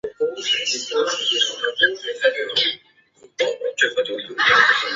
学院拥有海洋工程国家重点实验室。